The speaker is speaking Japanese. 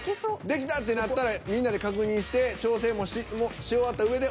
できたってなったらみんなで確認して調整もし終わったうえで。